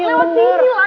lewat sini lah